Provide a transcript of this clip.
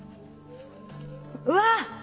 うわ！